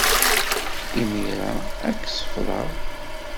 Imir-a, ad k-sefḍeɣ.